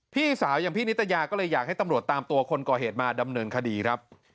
พี่สาวอย่างพี่นิตยาก็เลยอยากให้ตำรวจตามตัวคนก่อเหตุมาดำเนินคดีครับ